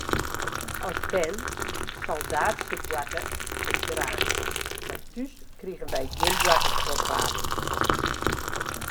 As bern soldaatsjeboarte ik graach, mar thús krigen wy gjin boartersguodwapens.